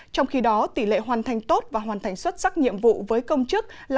trong khi đó tỷ lệ hoàn thành tốt và hoàn thành xuất sắc nhiệm vụ với công chức là chín mươi sáu hai mươi tám